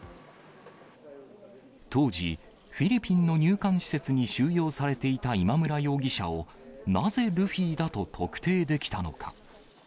当時、フィリピンの入管施設に収容されていた今村容疑者を、なぜルフィだと特定できたのか。